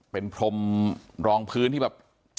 เป็นพรมรองพื้นที่แบบ